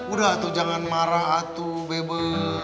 udah tuh jangan marah tuh bebel